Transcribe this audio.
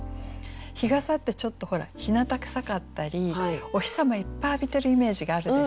日傘ってちょっとほらひなた臭かったりお日様いっぱい浴びてるイメージがあるでしょ。